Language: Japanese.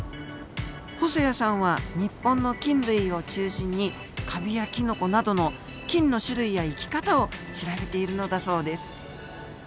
細矢さんは日本の菌類を中心にカビやキノコなどの菌の種類や生き方を調べているのだそうです。